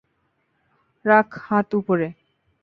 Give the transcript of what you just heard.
রাখ হাত উপরে!